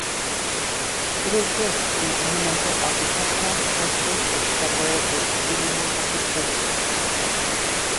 It is rich in ornamental architectural sculpture which decorate the exterior of the churches.